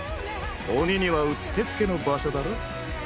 鬼にはうってつけの場所だろ。